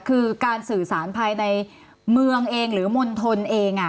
คือการสื่อสารภายในเมืองเองหรือมณฑลเอง